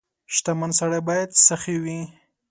• شتمن سړی باید سخي وي.